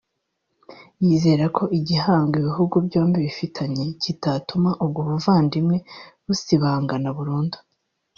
yizera ko igihango ibihugu byombi bifitanye kitatuma ubwo buvandimwe busibangana burundu